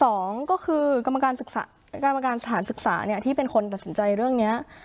สองก็คือกรรมการกรรมการสถานศึกษาเนี่ยที่เป็นคนตัดสินใจเรื่องนี้